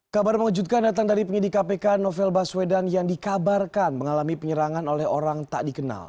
kabar mengejutkan datang dari penyidik kpk novel baswedan yang dikabarkan mengalami penyerangan oleh orang tak dikenal